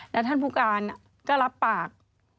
แล้วท่านผู้การก็รับปาก